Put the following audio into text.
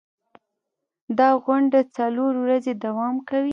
دا غونډه څلور ورځې دوام کوي.